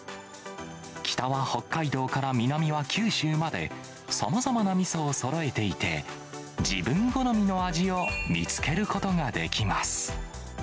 北は北海道から南は九州まで、さまざまなみそをそろえていて、自分好みの味を見つけることができます。